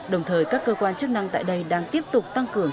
đồng thời các cơ quan chức năng tại đây đang tiếp tục tăng cường